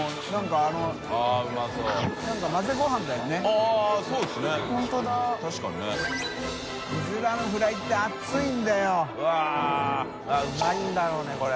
舛あっうまいんだろうねこれ。